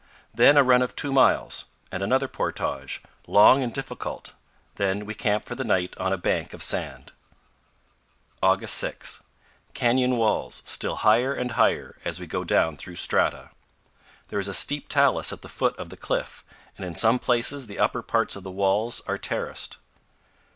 Then a run of two miles, and another portage, long and difficult; then we camp for the night on a bank of sand. August 6. Canyon walls, still higher and higher, as we go down through strata. There is a steep talus at the foot of the cliff, and in some places the upper parts of the walls are terraced.